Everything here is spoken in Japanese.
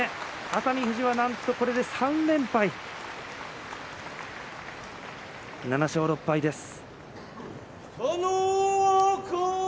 熱海富士はこれでなんと３連敗７勝６敗です。